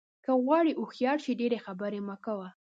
که غواړې هوښیار شې ډېرې خبرې مه کوه.